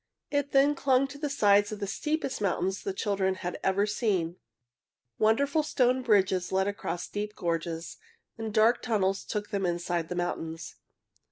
It then clung to the sides of the steepest mountains the children had ever seen. Wonderful stone bridges led across deep gorges, and dark tunnels took them inside the mountains.